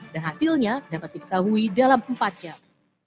dan hasilnya dapat diketahui dalam empat jam